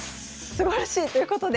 すばらしい！ということで。